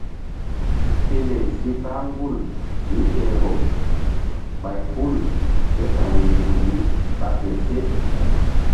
Pele si kpah gul mí ke vbol bay hul ké ta̧w nzukri ɓa fe se.